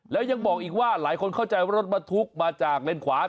แล้วยังบอกอีกว่าหลายคนเข้าใจว่ารถบรรทุกมาจากเลนขวา